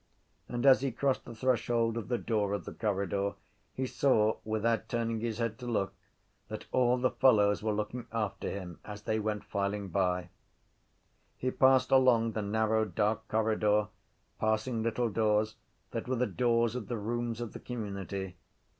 And as he crossed the threshold of the door of the corridor he saw, without turning his head to look, that all the fellows were looking after him as they went filing by. He passed along the narrow dark corridor, passing little doors that were the doors of the rooms of the community.